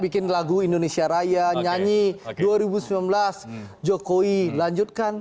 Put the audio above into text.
bikin lagu indonesia raya nyanyi dua ribu sembilan belas jokowi lanjutkan